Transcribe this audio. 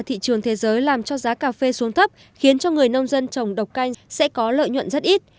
thị trường thế giới làm cho giá cà phê xuống thấp khiến cho người nông dân trồng độc canh sẽ có lợi nhuận rất ít